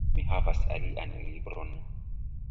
Mi havas alian libron